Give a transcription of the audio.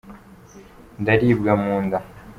ndaribwa munda.